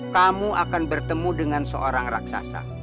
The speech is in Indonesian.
kamu akan bertemu dengan seorang raksasa